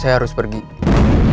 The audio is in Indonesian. kalau ada tanya puts kutek slides